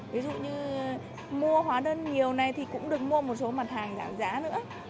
ví dụ như mua hóa đơn nhiều này thì cũng được mua một số mặt hàng giảm giá nữa